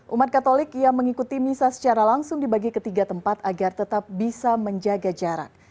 umat katolik yang mengikuti misa secara langsung dibagi ke tiga tempat agar tetap bisa menjaga jarak